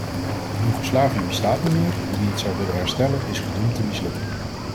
Joegoslavië bestaat niet meer en wie het zou willen herstellen is gedoemd te mislukken.